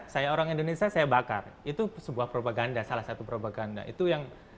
saya orang indonesia saya bakar itu sebuah propaganda salah satu propaganda itu yang